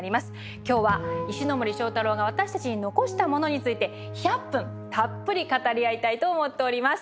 今日は「石森章太郎が私たちに残したもの」について１００分たっぷり語り合いたいと思っております。